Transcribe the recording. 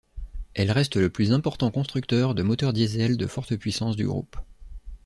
Elle reste le plus important constructeur de moteurs Diesel de fortes puissances du groupe.